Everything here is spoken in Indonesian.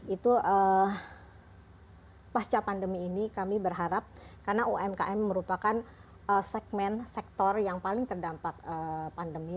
itu pasca pandemi ini kami berharap karena umkm merupakan segmen sektor yang paling terdampak pandemi